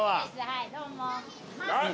はいどうも。